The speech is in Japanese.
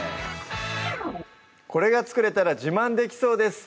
これが作れたら自慢できそうです